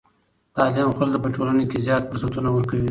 تعلیم خلکو ته په ټولنه کې زیاتو فرصتونو ورکوي.